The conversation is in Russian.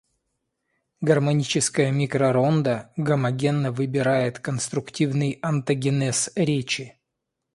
Гармоническое микророндо гомогенно выбирает конструктивный онтогенез речи.